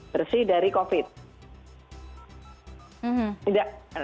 bersih dari covid